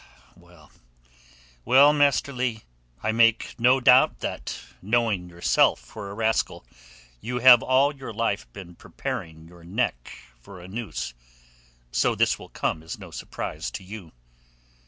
"Well, well, Master Leigh, I make no doubt that knowing yourself for a rascal you have all your life been preparing your neck for a noose; so this will come as no surprise to you."